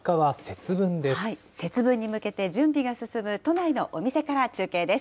節分に向けて、準備が進む都内のお店から中継です。